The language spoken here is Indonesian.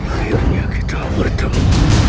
akhirnya kita bertemu